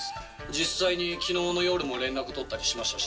実際にきのうの夜も連絡取ったりしましたし。